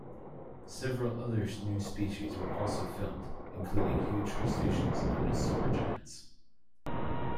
Several other new species were also filmed, including huge crustaceans known as supergiants.